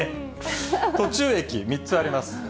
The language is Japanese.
途中駅３つあります。